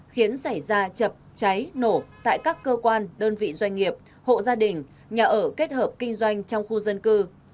khiến xảy ra chập cháy nổ tại các cơ quan đơn vị doanh nghiệp hộ gia đình nhà ở kết hợp kinh doanh trong khu dân cư